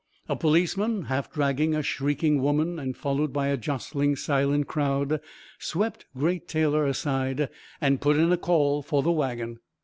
A policeman, half dragging a shrieking woman and followed by a jostling, silent crowd, swept Great Taylor aside and put in a call for the wagon.